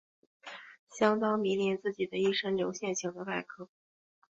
相当迷恋自己的一身的流线型的外壳。